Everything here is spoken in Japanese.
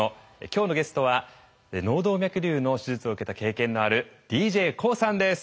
今日のゲストは脳動脈瘤の手術を受けた経験のあるＤＪＫＯＯさんです。